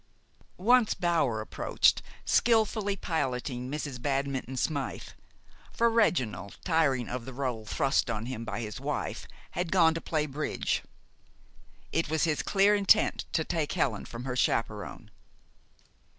Once Bower approached, skillfully piloting Mrs. Badminton Smythe; for Reginald, tiring of the rôle thrust on him by his wife, had gone to play bridge. It was his clear intent to take Helen from her chaperon.